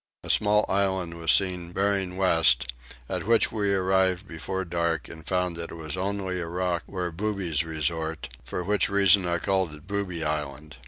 A small island was seen bearing west, at which we arrived before dark and found that it was only a rock where boobies resort, for which reason I called it Booby Island.